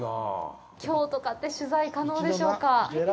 きょうとかって取材可能でしょうか。